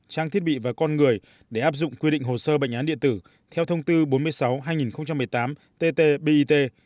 trang thiết bị và con người để áp dụng quy định hồ sơ bệnh án điện tử theo thông tư bốn mươi sáu hai nghìn một mươi tám tt bit